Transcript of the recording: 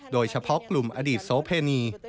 โดยเฉพาะกลุ่มอดีตโสเพณี